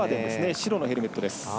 白のヘルメットです。